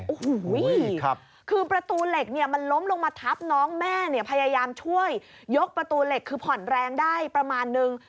โอ้โหคือประตูเหล็กเนี่ยมันล้มลงมาทับน้องแม่เนี่ยพยายามช่วยยกประตูเหล็กคือผ่อนแรงได้ประมาณนึง